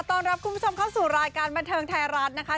ต้อนรับคุณผู้ชมเข้าสู่รายการบันเทิงไทยรัฐนะคะ